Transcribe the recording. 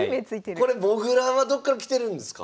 これもぐらはどっから来てるんですか？